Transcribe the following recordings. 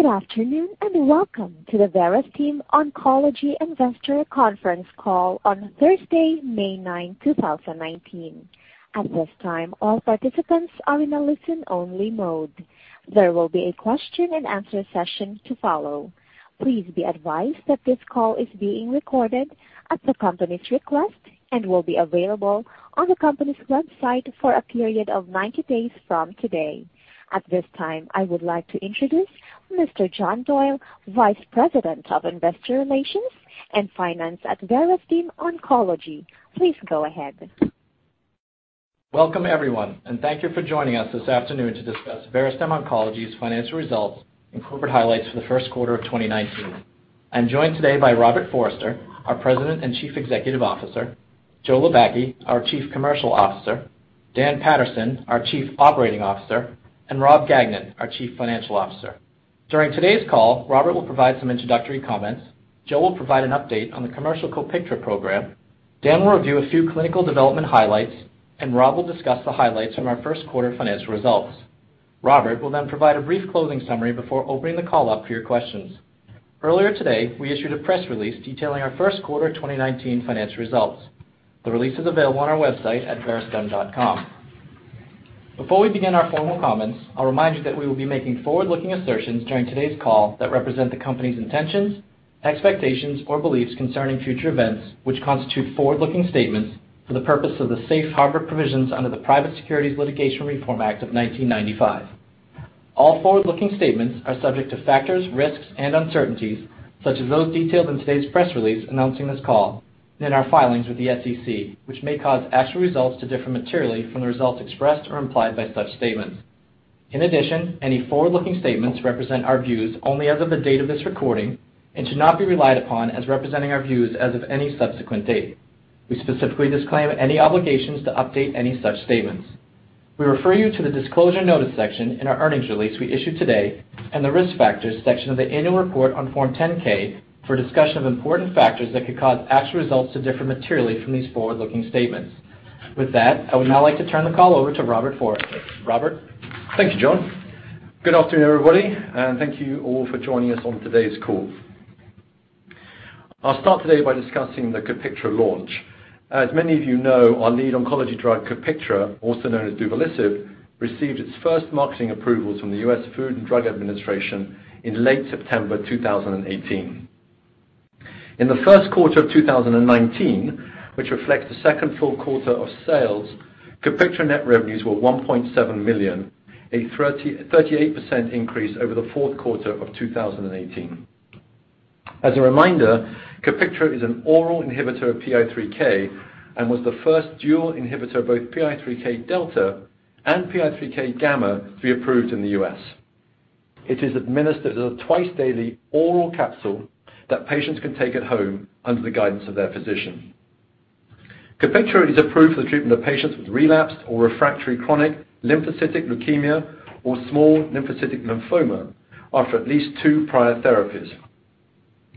Good afternoon, and welcome to the Verastem Oncology Investor Conference Call on Thursday, May ninth, 2019. At this time, all participants are in a listen-only mode. There will be a question and answer session to follow. Please be advised that this call is being recorded at the company's request and will be available on the company's website for a period of 90 days from today. At this time, I would like to introduce Mr. John Doyle, Vice President of Investor Relations and Finance at Verastem Oncology. Please go ahead. Welcome everyone, and thank you for joining us this afternoon to discuss Verastem Oncology's financial results and corporate highlights for the first quarter of 2019. I'm joined today by Robert Forrester, our President and Chief Executive Officer, Joe Lobacki, our Chief Commercial Officer, Dan Paterson, our Chief Operating Officer, and Rob Gagnon, our Chief Financial Officer. During today's call, Robert will provide some introductory comments, Joe will provide an update on the commercial COPIKTRA program, Dan will review a few clinical development highlights, and Rob will discuss the highlights from our first quarter financial results. Robert will provide a brief closing summary before opening the call up for your questions. Earlier today, we issued a press release detailing our first quarter 2019 financial results. The release is available on our website at verastem.com. Before we begin our formal comments, I'll remind you that we will be making forward-looking assertions during today's call that represent the company's intentions, expectations, or beliefs concerning future events which constitute forward-looking statements for the purpose of the safe harbor provisions under the Private Securities Litigation Reform Act of 1995. All forward-looking statements are subject to factors, risks, and uncertainties, such as those detailed in today's press release announcing this call and in our filings with the SEC, which may cause actual results to differ materially from the results expressed or implied by such statements. In addition, any forward-looking statements represent our views only as of the date of this recording and should not be relied upon as representing our views as of any subsequent date. We specifically disclaim any obligations to update any such statements. We refer you to the Disclosure Notice section in our earnings release we issued today and the Risk Factors section of the annual report on Form 10-K for a discussion of important factors that could cause actual results to differ materially from these forward-looking statements. With that, I would now like to turn the call over to Robert Forrester. Robert? Thank you, John. Good afternoon, everybody, and thank you all for joining us on today's call. I'll start today by discussing the COPIKTRA launch. As many of you know, our lead oncology drug, COPIKTRA, also known as duvelisib, received its first marketing approval from the U.S. Food and Drug Administration in late September 2018. In the first quarter of 2019, which reflects the second full quarter of sales, COPIKTRA net revenues were $1.7 million, a 38% increase over the fourth quarter of 2018. As a reminder, COPIKTRA is an oral inhibitor of PI3K and was the first dual inhibitor of both PI3K delta and PI3K gamma to be approved in the U.S. It is administered as a twice-daily oral capsule that patients can take at home under the guidance of their physician. COPIKTRA is approved for the treatment of patients with relapsed or refractory chronic lymphocytic leukemia or small lymphocytic lymphoma after at least two prior therapies.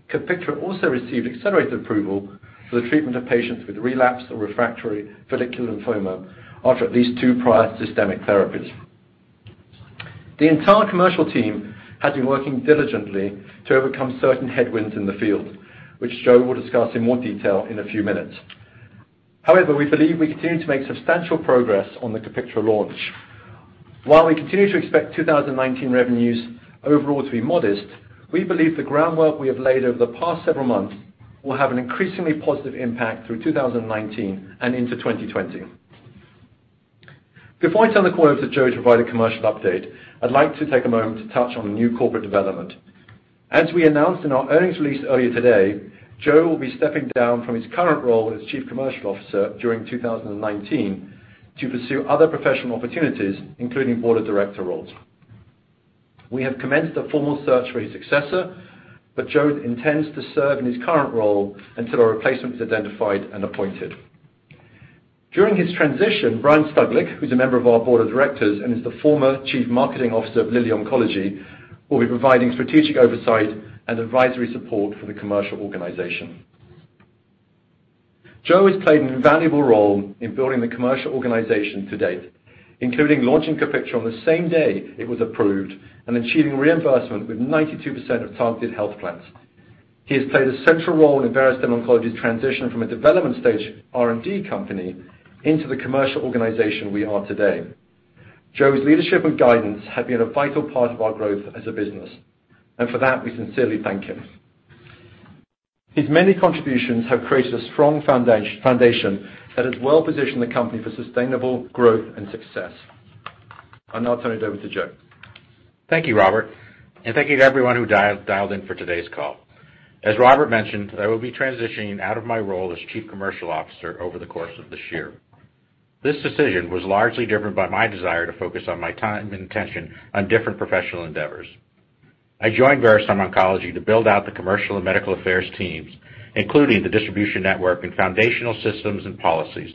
COPIKTRA also received accelerated approval for the treatment of patients with relapsed or refractory follicular lymphoma after at least two prior systemic therapies. The entire commercial team has been working diligently to overcome certain headwinds in the field, which Joe will discuss in more detail in a few minutes. We believe we continue to make substantial progress on the COPIKTRA launch. While we continue to expect 2019 revenues overall to be modest, we believe the groundwork we have laid over the past several months will have an increasingly positive impact through 2019 and into 2020. Before I turn the call over to Joe to provide a commercial update, I'd like to take a moment to touch on a new corporate development. As we announced in our earnings release earlier today, Joe will be stepping down from his current role as Chief Commercial Officer during 2019 to pursue other professional opportunities, including board of director roles. We have commenced a formal search for his successor, Joe intends to serve in his current role until a replacement is identified and appointed. During his transition, Brian Stuglik, who's a member of our board of directors and is the former Chief Marketing Officer of Lilly Oncology, will be providing strategic oversight and advisory support for the commercial organization. Joe has played an invaluable role in building the commercial organization to date, including launching COPIKTRA on the same day it was approved and achieving reimbursement with 92% of targeted health plans. He has played a central role in Verastem Oncology's transition from a development stage R&D company into the commercial organization we are today. Joe's leadership and guidance have been a vital part of our growth as a business, for that, we sincerely thank him. His many contributions have created a strong foundation that has well-positioned the company for sustainable growth and success. I'll now turn it over to Joe. Thank you, Robert, and thank you to everyone who dialed in for today's call. As Robert mentioned, I will be transitioning out of my role as Chief Commercial Officer over the course of this year. This decision was largely driven by my desire to focus on my time and attention on different professional endeavors. I joined Verastem Oncology to build out the commercial and medical affairs teams, including the distribution network and foundational systems and policies,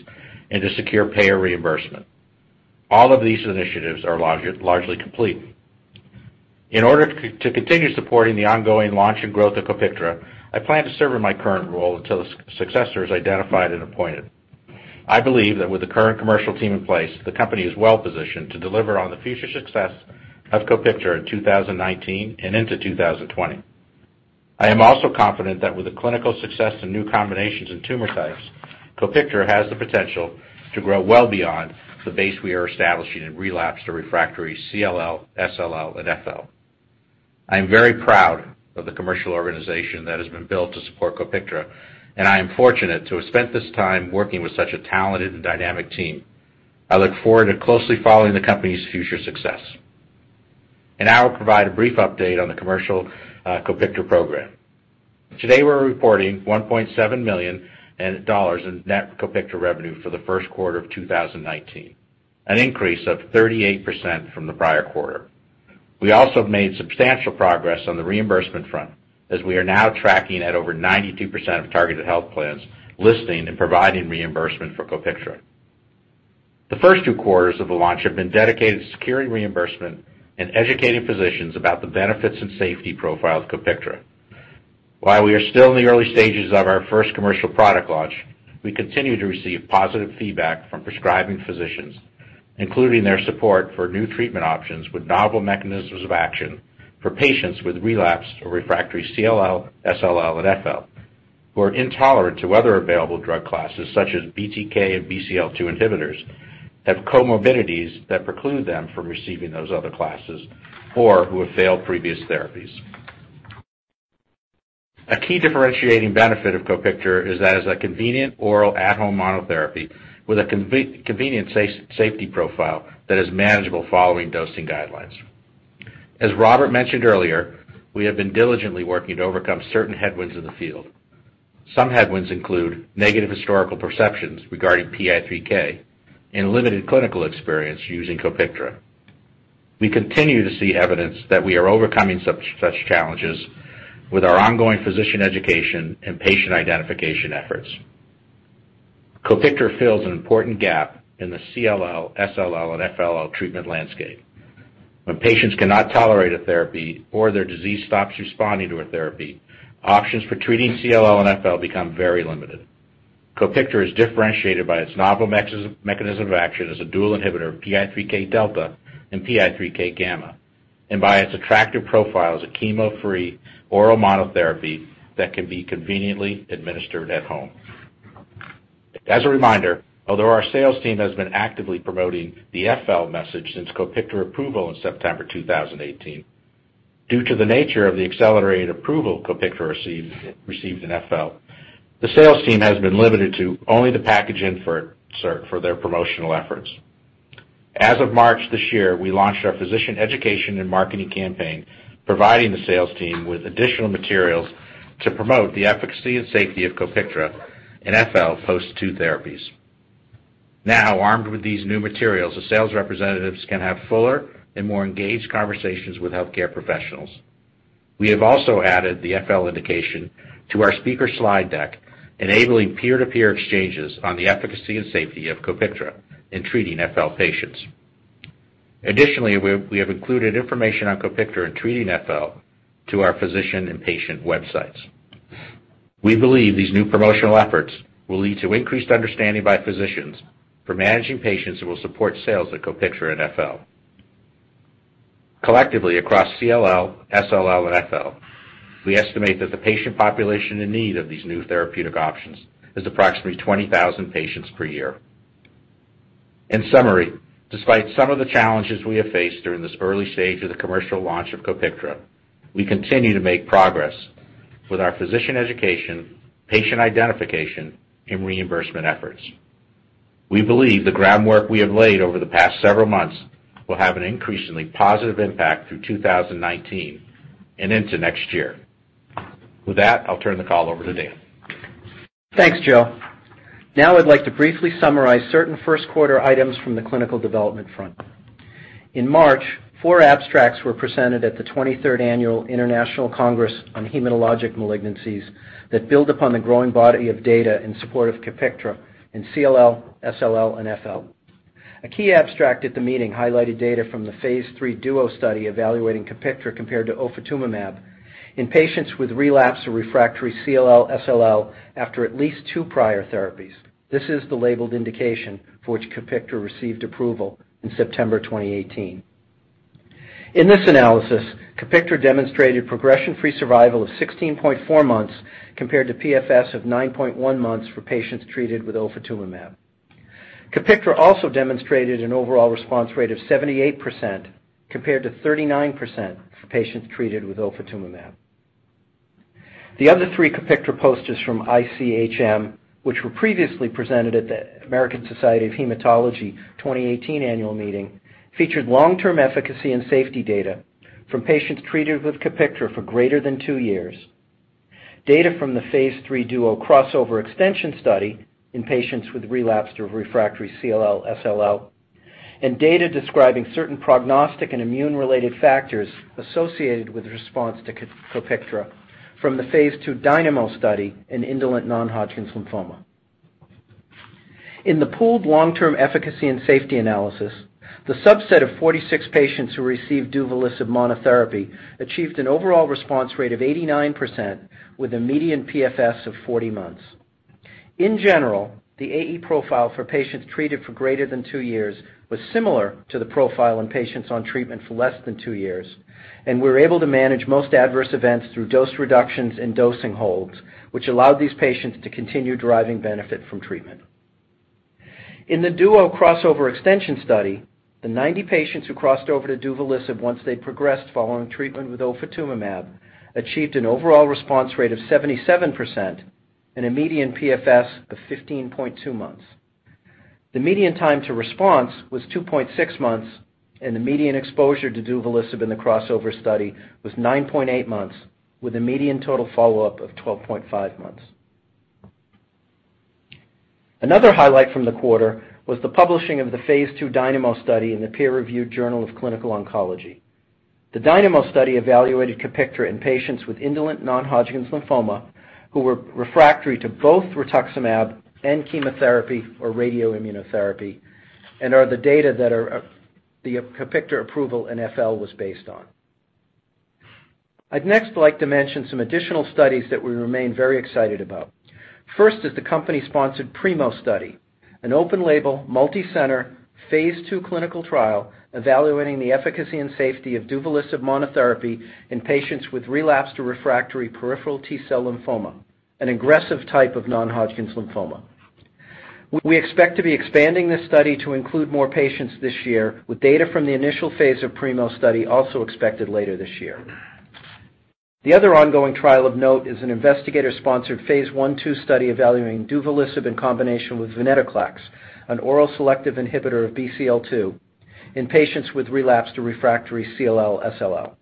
and to secure payer reimbursement. All of these initiatives are largely complete. In order to continue supporting the ongoing launch and growth of COPIKTRA, I plan to serve in my current role until a successor is identified and appointed. I believe that with the current commercial team in place, the company is well-positioned to deliver on the future success of COPIKTRA in 2019 and into 2020. I am also confident that with the clinical success of new combinations and tumor types, COPIKTRA has the potential to grow well beyond the base we are establishing in relapsed or refractory CLL, SLL, and FL. I am very proud of the commercial organization that has been built to support COPIKTRA, and I am fortunate to have spent this time working with such a talented and dynamic team. I look forward to closely following the company's future success. Now I'll provide a brief update on the commercial COPIKTRA program. Today, we're reporting $1.7 million in net COPIKTRA revenue for the first quarter of 2019, an increase of 38% from the prior quarter. We also have made substantial progress on the reimbursement front, as we are now tracking at over 92% of targeted health plans listing and providing reimbursement for COPIKTRA. The first two quarters of the launch have been dedicated to securing reimbursement and educating physicians about the benefits and safety profile of COPIKTRA. While we are still in the early stages of our first commercial product launch, we continue to receive positive feedback from prescribing physicians, including their support for new treatment options with novel mechanisms of action for patients with relapsed or refractory CLL, SLL, and FL who are intolerant to other available drug classes such as BTK and BCL-2 inhibitors, have comorbidities that preclude them from receiving those other classes, or who have failed previous therapies. A key differentiating benefit of COPIKTRA is that it is a convenient oral at-home monotherapy with a convenient safety profile that is manageable following dosing guidelines. As Robert mentioned earlier, we have been diligently working to overcome certain headwinds in the field. Some headwinds include negative historical perceptions regarding PI3K and limited clinical experience using COPIKTRA. We continue to see evidence that we are overcoming such challenges with our ongoing physician education and patient identification efforts. COPIKTRA fills an important gap in the CLL, SLL, and FL treatment landscape. When patients cannot tolerate a therapy or their disease stops responding to a therapy, options for treating CLL and FL become very limited. COPIKTRA is differentiated by its novel mechanism of action as a dual inhibitor of PI3K delta and PI3K gamma, and by its attractive profile as a chemo-free oral monotherapy that can be conveniently administered at home. As a reminder, although our sales team has been actively promoting the FL message since COPIKTRA approval in September 2018, due to the nature of the accelerated approval COPIKTRA received in FL, the sales team has been limited to only the package insert for their promotional efforts. As of March this year, we launched our physician education and marketing campaign, providing the sales team with additional materials to promote the efficacy and safety of COPIKTRA in FL post two therapies. Now, armed with these new materials, the sales representatives can have fuller and more engaged conversations with healthcare professionals. We have also added the FL indication to our speaker slide deck, enabling peer-to-peer exchanges on the efficacy and safety of COPIKTRA in treating FL patients. Additionally, we have included information on COPIKTRA in treating FL to our physician and patient websites. We believe these new promotional efforts will lead to increased understanding by physicians for managing patients and will support sales of COPIKTRA in FL. Collectively, across CLL, SLL, and FL, we estimate that the patient population in need of these new therapeutic options is approximately 20,000 patients per year. In summary, despite some of the challenges we have faced during this early stage of the commercial launch of COPIKTRA, we continue to make progress with our physician education, patient identification, and reimbursement efforts. We believe the groundwork we have laid over the past several months will have an increasingly positive impact through 2019 and into next year. With that, I'll turn the call over to Dan. Thanks, Joe. Now I'd like to briefly summarize certain first quarter items from the clinical development front. In March, four abstracts were presented at the 23rd Annual International Congress on Hematologic Malignancies that build upon the growing body of data in support of COPIKTRA in CLL, SLL, and FL. A key abstract at the meeting highlighted data from the phase III DUO study evaluating COPIKTRA compared to ofatumumab in patients with relapsed or refractory CLL/SLL after at least two prior therapies. This is the labeled indication for which COPIKTRA received approval in September 2018. In this analysis, COPIKTRA demonstrated progression-free survival of 16.4 months, compared to PFS of 9.1 months for patients treated with ofatumumab. COPIKTRA also demonstrated an overall response rate of 78%, compared to 39% for patients treated with ofatumumab. The other three COPIKTRA posters from ICHM, which were previously presented at the American Society of Hematology 2018 Annual Meeting, featured long-term efficacy and safety data from patients treated with COPIKTRA for greater than two years, data from the phase III DUO crossover extension study in patients with relapsed or refractory CLL/SLL, and data describing certain prognostic and immune-related factors associated with response to COPIKTRA from the phase II DYNAMO study in indolent non-Hodgkin's lymphoma. In the pooled long-term efficacy and safety analysis, the subset of 46 patients who received duvelisib monotherapy achieved an overall response rate of 89%, with a median PFS of 40 months. In general, the AE profile for patients treated for greater than two years was similar to the profile in patients on treatment for less than two years. We were able to manage most adverse events through dose reductions and dosing holds, which allowed these patients to continue deriving benefit from treatment. In the DUO crossover extension study, the 90 patients who crossed over to duvelisib once they progressed following treatment with ofatumumab achieved an overall response rate of 77% and a median PFS of 15.2 months. The median time to response was 2.6 months, and the median exposure to duvelisib in the crossover study was 9.8 months, with a median total follow-up of 12.5 months. Another highlight from the quarter was the publishing of the phase II DYNAMO study in the peer-reviewed Journal of Clinical Oncology. The DYNAMO study evaluated COPIKTRA in patients with indolent non-Hodgkin's lymphoma who were refractory to both rituximab and chemotherapy or radioimmunotherapy and are the data that the COPIKTRA approval in FL was based on. I'd next like to mention some additional studies that we remain very excited about. First is the company-sponsored PRIMO study, an open-label, multicenter, phase II clinical trial evaluating the efficacy and safety of duvelisib monotherapy in patients with relapsed or refractory peripheral T-cell lymphoma, an aggressive type of non-Hodgkin's lymphoma. We expect to be expanding this study to include more patients this year, with data from the initial phase of PRIMO study also expected later this year. The other ongoing trial of note is an investigator-sponsored phase I/II study evaluating duvelisib in combination with venetoclax, an oral selective inhibitor of BCL-2 in patients with relapsed or refractory CLL/SLL.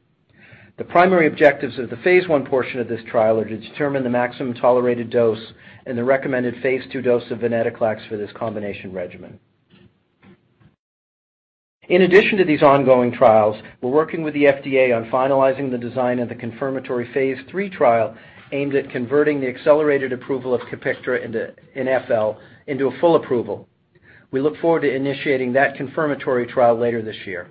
The primary objectives of the phase I portion of this trial are to determine the maximum tolerated dose and the recommended phase II dose of venetoclax for this combination regimen. In addition to these ongoing trials, we're working with the FDA on finalizing the design of the confirmatory phase III trial aimed at converting the accelerated approval of COPIKTRA in FL into a full approval. We look forward to initiating that confirmatory trial later this year.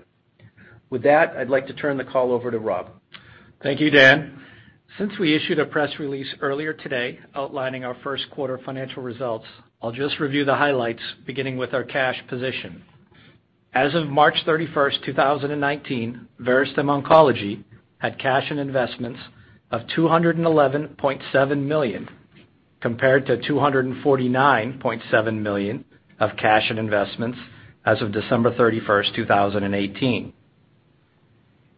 With that, I'd like to turn the call over to Rob. Thank you, Dan. Since we issued a press release earlier today outlining our first quarter financial results, I'll just review the highlights, beginning with our cash position. As of March 31, 2019, Verastem Oncology had cash and investments of $211.7 million, compared to $249.7 million of cash and investments as of December 31, 2018.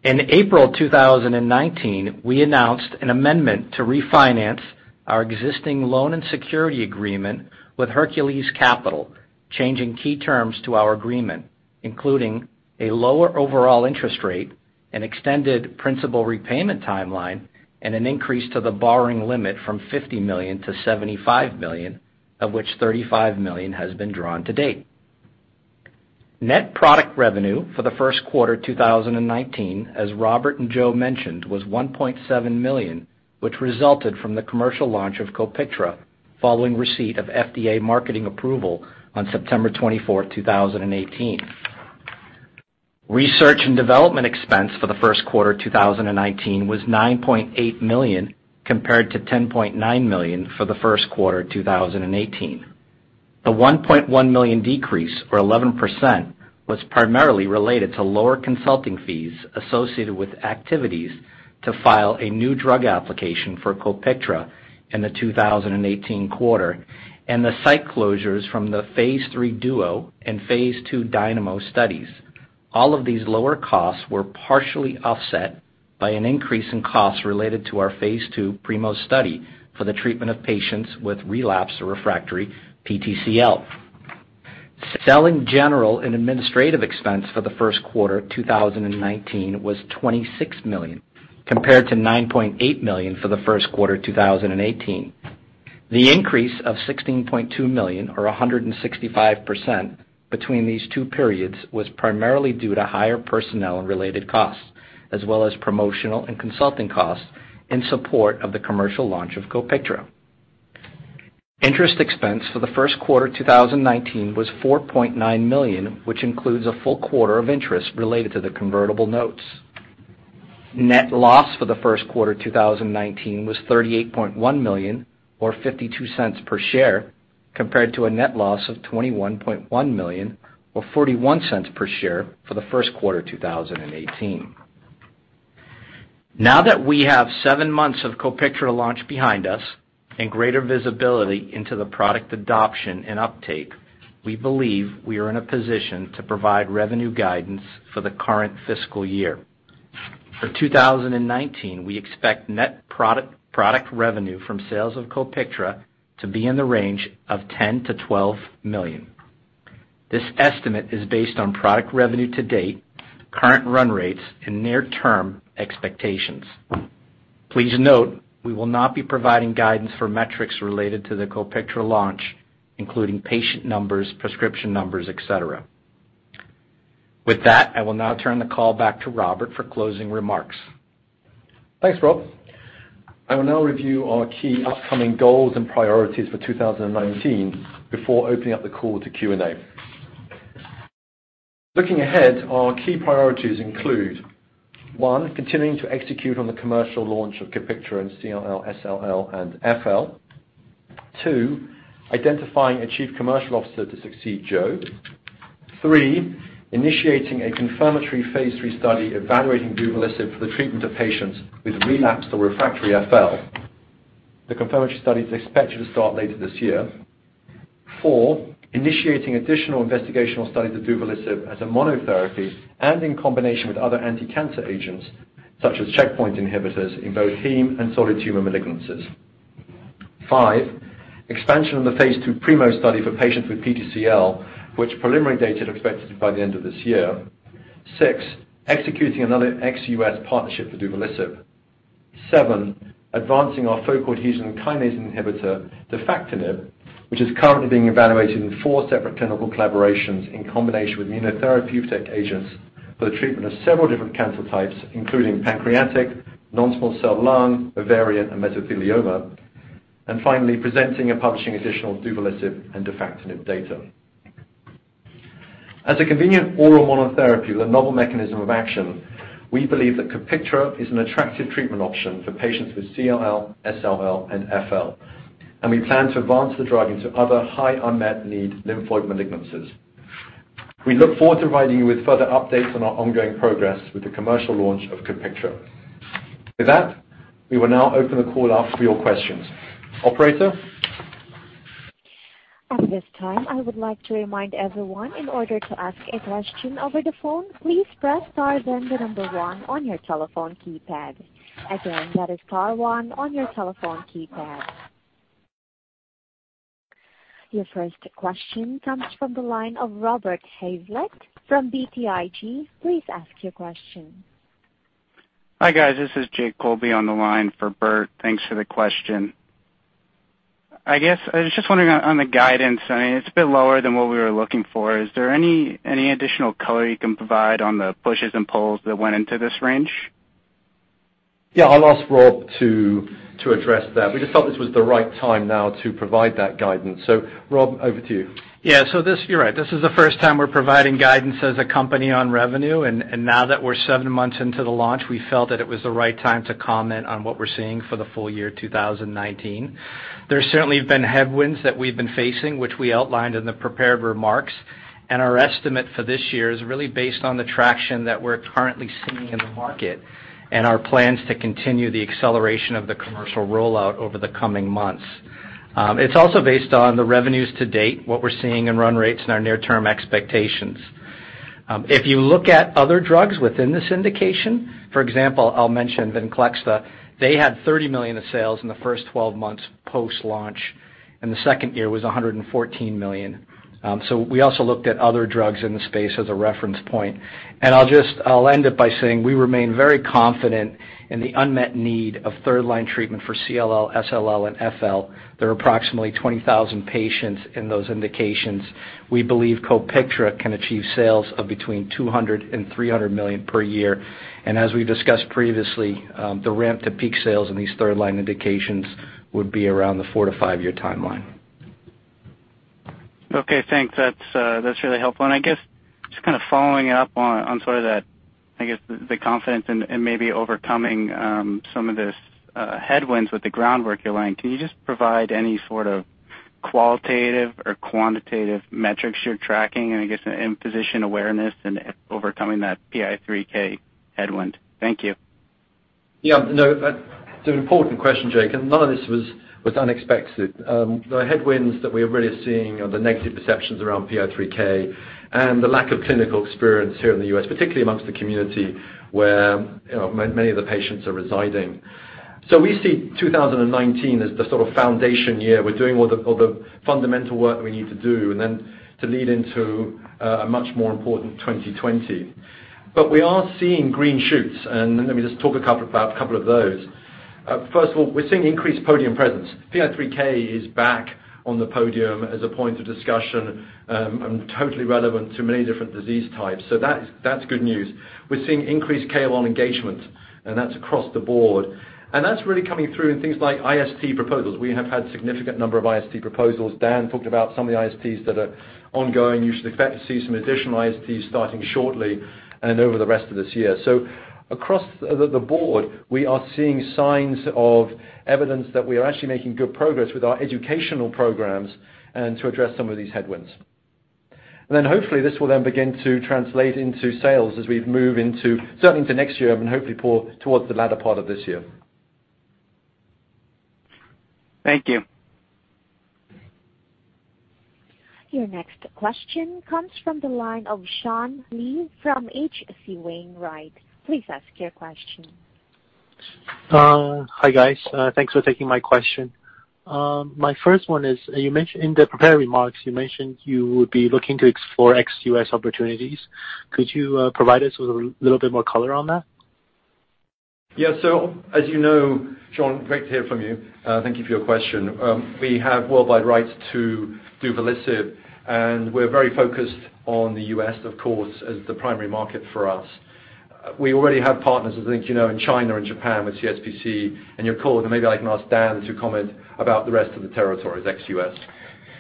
In April 2019, we announced an amendment to refinance our existing loan and security agreement with Hercules Capital, changing key terms to our agreement, including a lower overall interest rate and extended principal repayment timeline, and an increase to the borrowing limit from $50 million to $75 million, of which $35 million has been drawn to date. Net product revenue for the first quarter 2019, as Robert and Joe mentioned, was $1.7 million, which resulted from the commercial launch of COPIKTRA following receipt of FDA marketing approval on September 24, 2018. Research and development expense for the first quarter 2019 was $9.8 million, compared to $10.9 million for the first quarter 2018. The $1.1 million decrease, or 11%, was primarily related to lower consulting fees associated with activities to file a new drug application for COPIKTRA in the 2018 quarter and the site closures from the phase III DUO and phase II DYNAMO studies. All of these lower costs were partially offset by an increase in costs related to our phase II PRIMO study for the treatment of patients with relapsed or refractory PTCL. Selling general and administrative expense for the first quarter 2019 was $26 million, compared to $9.8 million for the first quarter 2018. The increase of $16.2 million or 165% between these two periods was primarily due to higher personnel and related costs, as well as promotional and consulting costs in support of the commercial launch of COPIKTRA. Interest expense for the first quarter 2019 was $4.9 million, which includes a full quarter of interest related to the convertible notes. Net loss for the first quarter 2019 was $38.1 million or $0.52 per share, compared to a net loss of $21.1 million or $0.41 per share for the first quarter 2018. Now that we have seven months of COPIKTRA launch behind us and greater visibility into the product adoption and uptake, we believe we are in a position to provide revenue guidance for the current fiscal year. For 2019, we expect net product revenue from sales of COPIKTRA to be in the range of $10 million-$12 million. This estimate is based on product revenue to date, current run rates, and near-term expectations. Please note, we will not be providing guidance for metrics related to the COPIKTRA launch, including patient numbers, prescription numbers, et cetera. With that, I will now turn the call back to Robert for closing remarks. Thanks, Rob. I will now review our key upcoming goals and priorities for 2019 before opening up the call to Q&A. Looking ahead, our key priorities include, 1, continuing to execute on the commercial launch of COPIKTRA and CLL, SLL, and FL. 2, identifying a chief commercial officer to succeed Joe. 3, initiating a confirmatory phase III study evaluating duvelisib for the treatment of patients with relapsed or refractory FL. The confirmatory study is expected to start later this year. 4, initiating additional investigational studies of duvelisib as a monotherapy and in combination with other anticancer agents, such as checkpoint inhibitors in both heme and solid tumor malignancies. 5, expansion of the phase II PRIMO study for patients with PTCL, with preliminary data expected by the end of this year. 6, executing another ex-U.S. partnership for duvelisib. Seven, advancing our focal adhesion kinase inhibitor, defactinib, which is currently being evaluated in four separate clinical collaborations in combination with immunotherapeutic agents for the treatment of several different cancer types, including pancreatic, non-small cell lung, ovarian, and mesothelioma. Finally, presenting and publishing additional duvelisib and defactinib data. As a convenient oral monotherapy with a novel mechanism of action, we believe that COPIKTRA is an attractive treatment option for patients with CLL, SLL, and FL, and we plan to advance the drug into other high unmet need lymphoid malignancies. We look forward to providing you with further updates on our ongoing progress with the commercial launch of COPIKTRA. With that, we will now open the call up for your questions. Operator? At this time, I would like to remind everyone in order to ask a question over the phone, please press star then the number one on your telephone keypad. Again, that is star one on your telephone keypad. Your first question comes from the line of Robert Hazlett from BTIG. Please ask your question. Hi, guys. This is Jake Colby on the line for Bert. Thanks for the question. I was just wondering on the guidance. It's a bit lower than what we were looking for. Is there any additional color you can provide on the pushes and pulls that went into this range? Yeah, I'll ask Rob to address that. We just thought this was the right time now to provide that guidance. Rob, over to you. You're right. This is the first time we're providing guidance as a company on revenue. Now that we're seven months into the launch, we felt that it was the right time to comment on what we're seeing for the full year 2019. There certainly have been headwinds that we've been facing, which we outlined in the prepared remarks. Our estimate for this year is really based on the traction that we're currently seeing in the market and our plans to continue the acceleration of the commercial rollout over the coming months. It's also based on the revenues to date, what we're seeing in run rates, and our near-term expectations. If you look at other drugs within this indication, for example, I'll mention VENCLEXTA, they had $30 million of sales in the first 12 months post-launch, and the second year was $114 million. We also looked at other drugs in the space as a reference point. I'll end it by saying we remain very confident in the unmet need of third-line treatment for CLL, SLL, and FL. There are approximately 20,000 patients in those indications. We believe COPIKTRA can achieve sales of between $200 million and $300 million per year. As we discussed previously, the ramp to peak sales in these third-line indications would be around the four to five-year timeline. Okay, thanks. That's really helpful. Just following up on the confidence and maybe overcoming some of the headwinds with the groundwork you're laying, can you just provide any sort of qualitative or quantitative metrics you're tracking, I guess, in physician awareness and overcoming that PI3K headwind? Thank you. No, it's an important question, Jake. None of this was unexpected. The headwinds that we're really seeing are the negative perceptions around PI3K and the lack of clinical experience here in the U.S., particularly amongst the community where many of the patients are residing. We see 2019 as the sort of foundation year. We're doing all the fundamental work we need to do, then to lead into a much more important 2020. We are seeing green shoots, let me just talk about a couple of those. First of all, we're seeing increased podium presence. PI3K is back on the podium as a point of discussion and totally relevant to many different disease types. That's good news. We're seeing increased KOL engagement, that's across the board. That's really coming through in things like IST proposals. We have had significant number of IST proposals. Dan talked about some of the ISTs that are ongoing. You should expect to see some additional ISTs starting shortly and over the rest of this year. Across the board, we are seeing signs of evidence that we are actually making good progress with our educational programs and to address some of these headwinds. Hopefully, this will then begin to translate into sales as we move certainly into next year and hopefully towards the latter part of this year. Thank you. Your next question comes from the line of Yi Chen from H.C. Wainwright. Please ask your question. Hi, guys. Thanks for taking my question. My first one is, in the prepared remarks, you mentioned you would be looking to explore ex-U.S. opportunities. Could you provide us with a little bit more color on that? Yeah. As you know, Chen, great to hear from you. Thank you for your question. We have worldwide rights to duvelisib, and we're very focused on the U.S., of course, as the primary market for us. We already have partners, as I think you know, in China and Japan with CSPC and Yakult, and maybe I can ask Dan to comment about the rest of the territories, ex-U.S.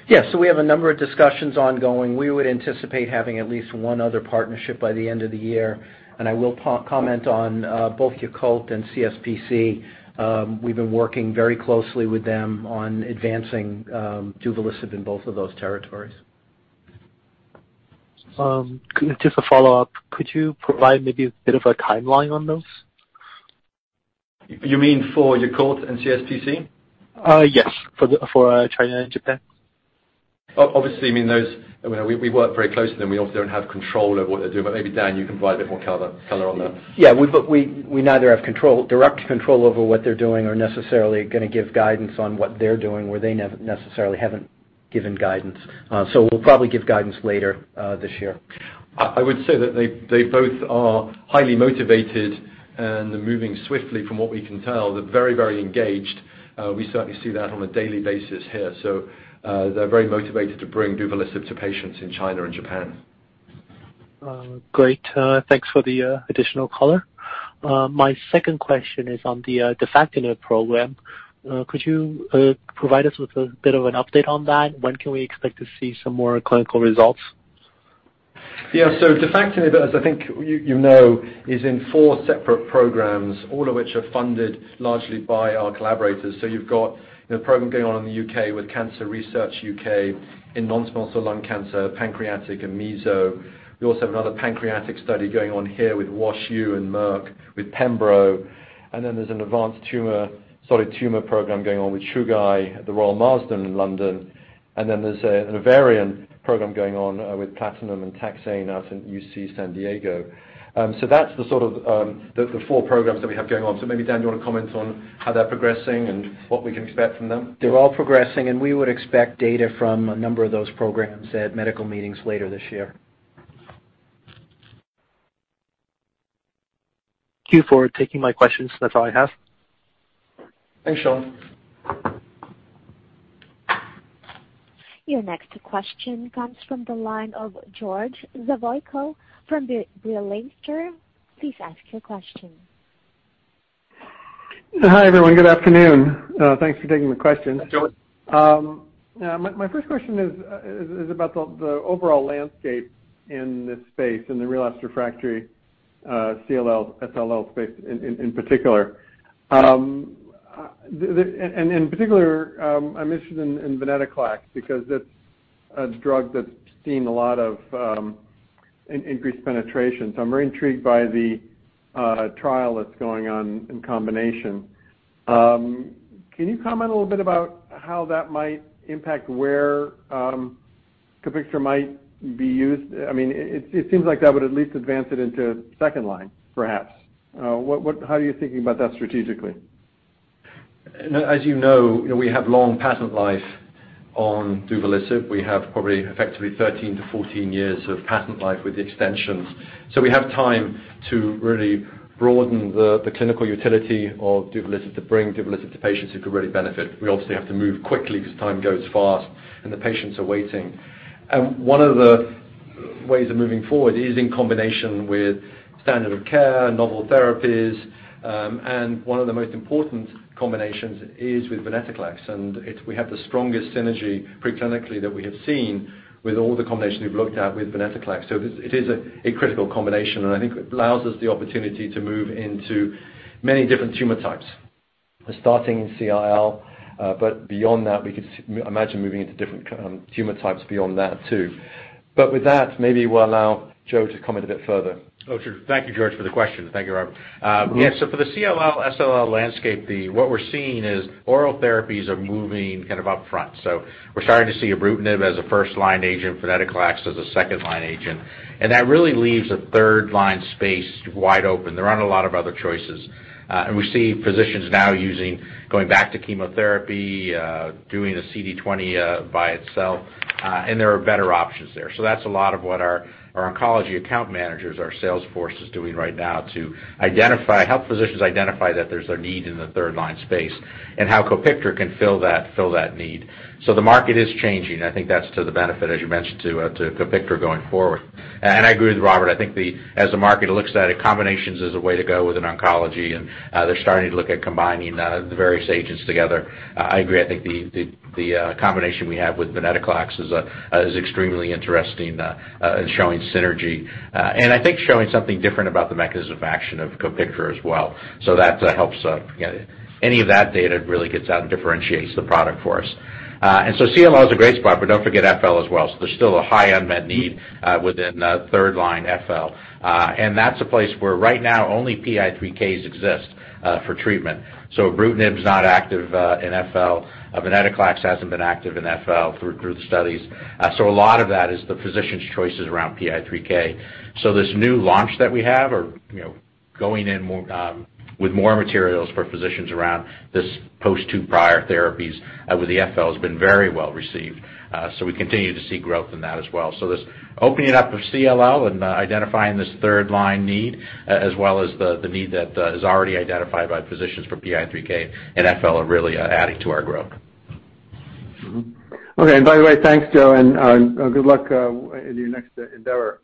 Yes. We have a number of discussions ongoing. We would anticipate having at least one other partnership by the end of the year. I will comment on both Yakult and CSPC. We've been working very closely with them on advancing duvelisib in both of those territories. Just a follow-up. Could you provide maybe a bit of a timeline on those? You mean for Yakult and CSPC? Yes. For China and Japan. Obviously, we work very closely with them. We obviously don't have control over what they're doing. But maybe Dan, you can provide a bit more color on that. Yeah. We neither have direct control over what they're doing or necessarily going to give guidance on what they're doing where they necessarily haven't given guidance. We'll probably give guidance later this year. I would say that they both are highly motivated and moving swiftly from what we can tell. They're very engaged. We certainly see that on a daily basis here. They're very motivated to bring duvelisib to patients in China and Japan. Great. Thanks for the additional color. My second question is on the defactinib program. Could you provide us with a bit of an update on that? When can we expect to see some more clinical results? Yeah. defactinib, as I think you know, is in four separate programs, all of which are funded largely by our collaborators. You've got a program going on in the U.K. with Cancer Research UK in non-small cell lung cancer, pancreatic, and meso. We also have another pancreatic study going on here with WashU and Merck, with pembro. There's an advanced solid tumor program going on with Chugai, The Royal Marsden in London. There's an ovarian program going on with platinum and taxane out in UC San Diego. That's the sort of the four programs that we have going on. Maybe Dan, you want to comment on how they're progressing and what we can expect from them? They're all progressing, we would expect data from a number of those programs at medical meetings later this year. Thank you for taking my questions. That's all I have. Thanks, Sean. Your next question comes from the line of George Zavoico from B. Riley FBR. Please ask your question. Hi, everyone. Good afternoon. Thanks for taking the question. George. My first question is about the overall landscape in this space, in the relapsed/refractory CLL/SLL space in particular. In particular, I mentioned venetoclax because that's a drug that's seen a lot of increased penetration, so I'm very intrigued by the trial that's going on in combination. Can you comment a little bit about how that might impact where COPIKTRA might be used? It seems like that would at least advance it into second line, perhaps. How are you thinking about that strategically? As you know, we have long patent life on duvelisib. We have probably effectively 13-14 years of patent life with the extensions. We have time to really broaden the clinical utility of duvelisib to bring duvelisib to patients who could really benefit. We obviously have to move quickly because time goes fast and the patients are waiting. One of the ways of moving forward is in combination with standard of care, novel therapies. One of the most important combinations is with venetoclax, and we have the strongest synergy pre-clinically that we have seen with all the combinations we've looked at with venetoclax. It is a critical combination, and I think it allows us the opportunity to move into many different tumor types, starting in CLL, but beyond that, we could imagine moving into different tumor types beyond that too. With that, maybe we'll allow Joe to comment a bit further. Oh, sure. Thank you, George, for the question. Thank you, Robert. Yeah. For the CLL/SLL landscape, what we're seeing is oral therapies are moving upfront. So we're starting to see ibrutinib as a first-line agent, venetoclax as a second-line agent. That really leaves a third-line space wide open. There aren't a lot of other choices. We see physicians now going back to chemotherapy, doing the CD20 by itself, and there are better options there. That's a lot of what our oncology account managers, our sales force is doing right now to help physicians identify that there's a need in the third-line space and how COPIKTRA can fill that need. The market is changing. I think that's to the benefit, as you mentioned, to COPIKTRA going forward. I agree with Robert, I think as the market looks at it, combinations is a way to go within oncology, and they're starting to look at combining the various agents together. I agree, I think the combination we have with venetoclax is extremely interesting and showing synergy. I think showing something different about the mechanism of action of COPIKTRA as well. That helps. Any of that data really gets out and differentiates the product for us. CLL is a great spot, but don't forget FL as well. There's still a high unmet need within third-line FL. That's a place where right now only PI3Ks exist for treatment. Ibrutinib's not active in FL. Venetoclax hasn't been active in FL through the studies. A lot of that is the physician's choices around PI3K. This new launch that we have, or going in with more materials for physicians around this post two prior therapies with the FL has been very well received. We continue to see growth in that as well. This opening up of CLL and identifying this third-line need, as well as the need that is already identified by physicians for PI3K and FL are really adding to our growth. Okay. By the way, thanks, Joe, and good luck in your next endeavor.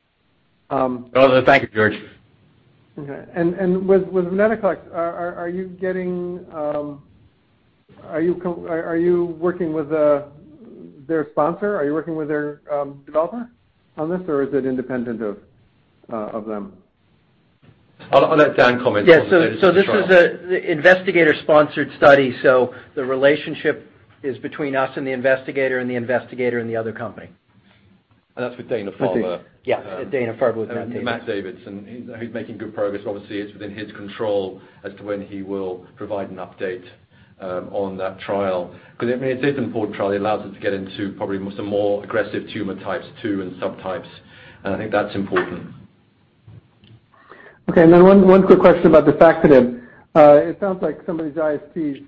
Thank you, George. Okay. With venetoclax, are you working with their sponsor? Are you working with their developer on this, or is it independent of them? I'll let Dan comment on this. Yeah. This is an investigator-sponsored study, so the relationship is between us and the investigator and the investigator and the other company. That's with Dana-Farber. Yeah. Dana-Farber with Matt Davids. Matthew Davids. He's making good progress. Obviously, it's within his control as to when he will provide an update on that trial, because it is an important trial. It allows us to get into probably some more aggressive tumor types too, and subtypes, and I think that's important. Okay. One quick question about defactinib. It sounds like some of these ISTs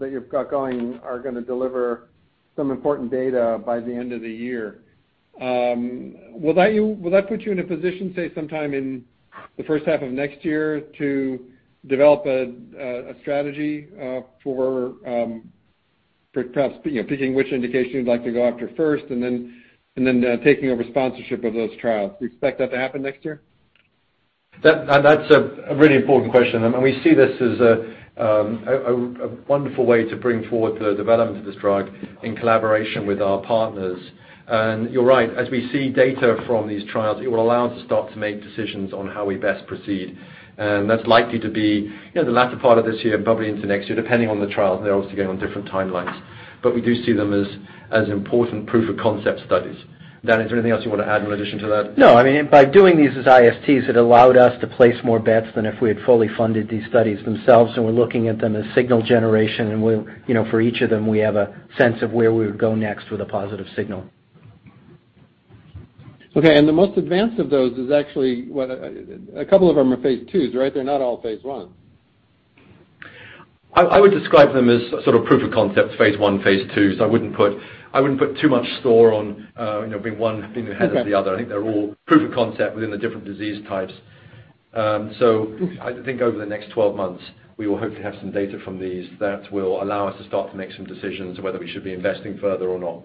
that you've got going are going to deliver some important data by the end of the year. Will that put you in a position, say, sometime in the first half of next year to develop a strategy for perhaps picking which indication you'd like to go after first and then taking a responsibility for those trials? Do you expect that to happen next year? That's a really important question. We see this as a wonderful way to bring forward the development of this drug in collaboration with our partners. You're right. As we see data from these trials, it will allow us to start to make decisions on how we best proceed. That's likely to be the latter part of this year and probably into next year, depending on the trial. They're obviously going on different timelines. We do see them as important proof-of-concept studies. Dan, is there anything else you want to add in addition to that? No. By doing these as ISTs, it allowed us to place more bets than if we had fully funded these studies themselves, and we're looking at them as signal generation, and for each of them, we have a sense of where we would go next with a positive signal. Okay. The most advanced of those A couple of them are phase II, right? They're not all phase I. I would describe them as sort of proof of concept phase I, phase II. I wouldn't put too much store on one being ahead of the other. Okay. I think they're all proof of concept within the different disease types. I think over the next 12 months, we will hopefully have some data from these that will allow us to start to make some decisions whether we should be investing further or not.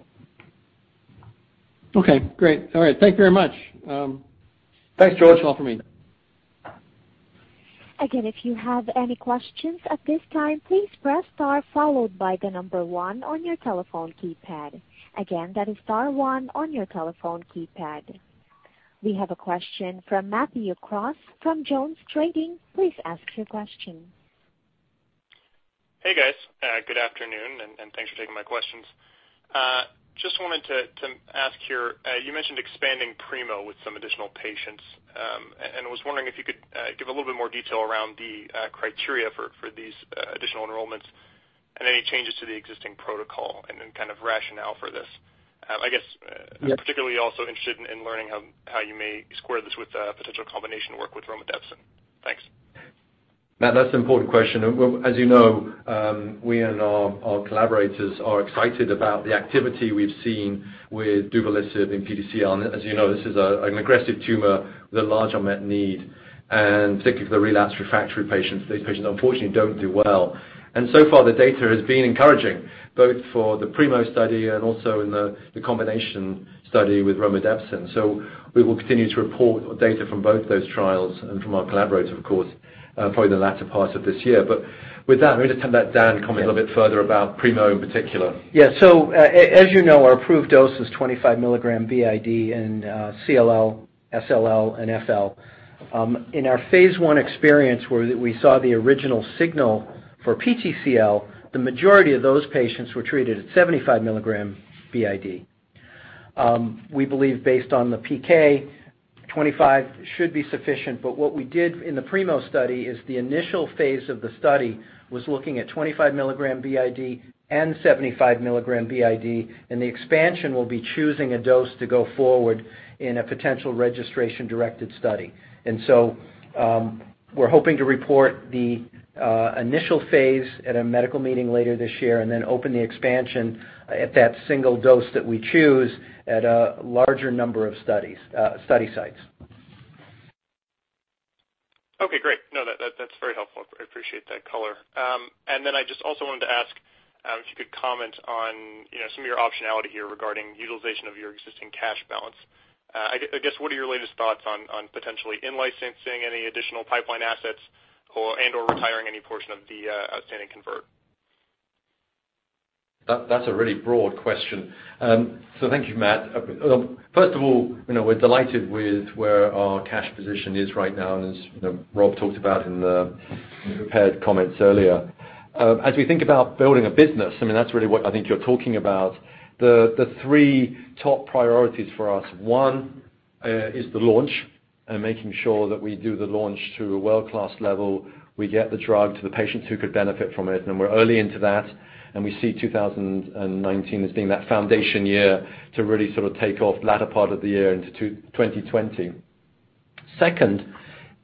Okay, great. All right. Thank you very much. Thanks, George. That's all for me. Again, if you have any questions at this time, please press star followed by the number one on your telephone keypad. Again, that is star 1 on your telephone keypad. We have a question from Matthew Cross from JonesTrading. Please ask your question. Hey, guys. Good afternoon, thanks for taking my questions. Just wanted to ask here, you mentioned expanding PRIMO with some additional patients. I was wondering if you could give a little bit more detail around the criteria for these additional enrollments and any changes to the existing protocol and kind of rationale for this. Yes particularly also interested in learning how you may square this with potential combination work with romidepsin. Thanks. Matt, that's an important question. As you know, we and our collaborators are excited about the activity we've seen with duvelisib in PTCL. As you know, this is an aggressive tumor with a large unmet need, and particularly for the relapsed refractory patients. These patients, unfortunately, don't do well. So far, the data has been encouraging, both for the PRIMO study and also in the combination study with romidepsin. We will continue to report data from both those trials and from our collaborators, of course, probably in the latter part of this year. With that, I'm going to just have Dan comment a little bit further about PRIMO in particular. Yeah. As you know, our approved dose is 25 milligram BID in CLL, SLL, and FL. In our phase I experience where we saw the original signal for PTCL, the majority of those patients were treated at 75 milligram BID. We believe based on the PK, 25 should be sufficient. What we did in the PRIMO study is the initial phase of the study was looking at 25 milligram BID and 75 milligram BID, and the expansion will be choosing a dose to go forward in a potential registration-directed study. We're hoping to report the initial phase at a medical meeting later this year and then open the expansion at that single dose that we choose at a larger number of study sites. Okay, great. No, that's very helpful. I appreciate that color. Then I just also wanted to ask if you could comment on some of your optionality here regarding utilization of your existing cash balance. I guess, what are your latest thoughts on potentially in-licensing any additional pipeline assets and/or retiring any portion of the outstanding convert? That's a really broad question. Thank you, Matt. First of all, we're delighted with where our cash position is right now, and as Rob talked about in the prepared comments earlier. As we think about building a business, that's really what I think you're talking about, the three top priorities for us. One is the launch and making sure that we do the launch to a world-class level. We get the drug to the patients who could benefit from it. We're early into that, and we see 2019 as being that foundation year to really sort of take off latter part of the year into 2020. Second,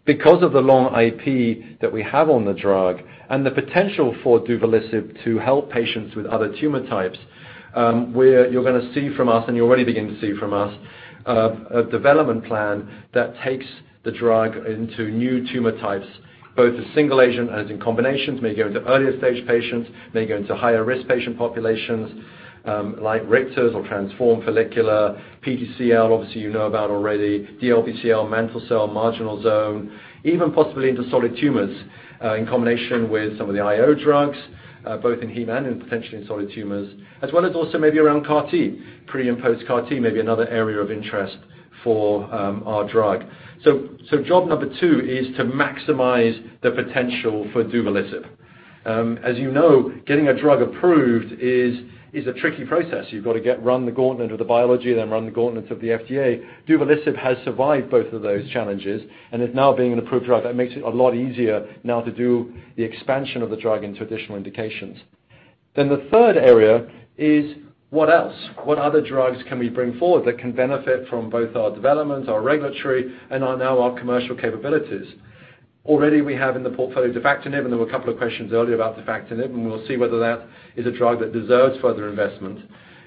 because of the long IP that we have on the drug and the potential for duvelisib to help patients with other tumor types, where you're going to see from us, and you're already beginning to see from us, a development plan that takes the drug into new tumor types, both as single agent and in combinations. May go into earlier stage patients, may go into higher risk patient populations, like Richter's or transformed follicular, PTCL, obviously, you know about already, DLBCL, mantle cell, marginal zone, even possibly into solid tumors, in combination with some of the IO drugs, both in heme and in potentially in solid tumors, as well as also maybe around CAR T. Pre and post-CAR T may be another area of interest for our drug. Job number two is to maximize the potential for duvelisib. As you know, getting a drug approved is a tricky process. You've got to run the gauntlet of the biology, then run the gauntlets of the FDA. duvelisib has survived both of those challenges and is now being an approved drug. That makes it a lot easier now to do the expansion of the drug into additional indications. The third area is what else? What other drugs can we bring forward that can benefit from both our development, our regulatory, and now our commercial capabilities? Already we have in the portfolio defactinib, and there were a couple of questions earlier about defactinib, and we'll see whether that is a drug that deserves further investment.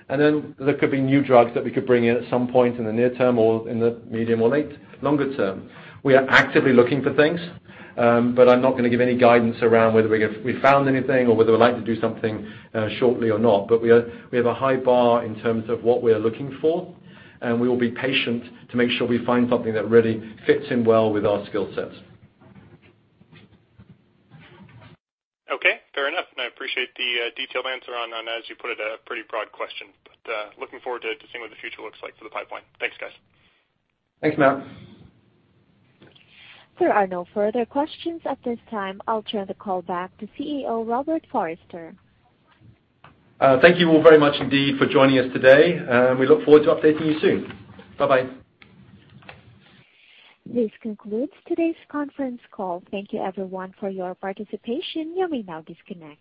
There could be new drugs that we could bring in at some point in the near term or in the medium or late, longer term. We are actively looking for things, I'm not going to give any guidance around whether we found anything or whether we'd like to do something shortly or not. We have a high bar in terms of what we're looking for, and we will be patient to make sure we find something that really fits in well with our skill sets. Okay, fair enough. I appreciate the detailed answer on, as you put it, a pretty broad question. Looking forward to seeing what the future looks like for the pipeline. Thanks, guys. Thanks, Matt. There are no further questions at this time. I'll turn the call back to CEO, Robert Forrester. Thank you all very much indeed for joining us today. We look forward to updating you soon. Bye-bye. This concludes today's conference call. Thank you everyone for your participation. You may now disconnect.